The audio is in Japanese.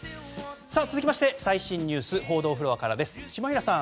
続きまして、最新ニュース報道フロアからお伝えします。